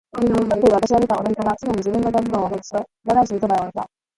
つっ立っているわたしを見た踊り子がすぐに自分の座布団をはずして、裏返しにそばへ置いた。